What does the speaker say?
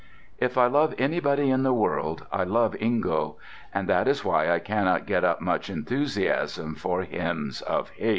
If I love anybody in the world, I love Ingo. And that is why I cannot get up much enthusiasm for hymns of hate.